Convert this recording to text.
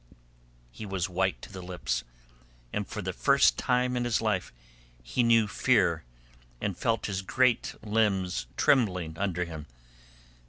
He was white to the lips, and for the first time in his life he knew fear and felt his great limbs trembling under him.